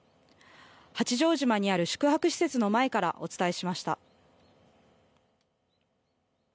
八丈島にある宿泊施設の前からお伝えしました。